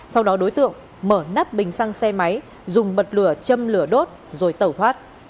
sau đó đối tượng mở nắp bình xăng xe máy dùng bật lửa châm lửa đốt rồi tẩu thoát